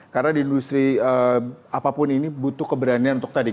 karena di industri apapun ini butuh keberanian untuk tadi